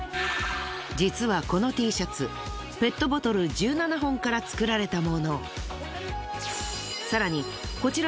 実はこのＴシャツペットボトル１７本から作られたもの。